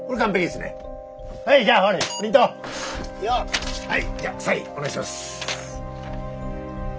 でははいじゃサインお願いします。